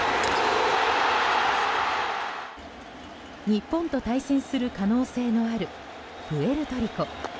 日本と対戦する可能性のあるプエルトリコ。